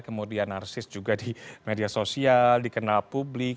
kemudian narsis juga di media sosial dikenal publik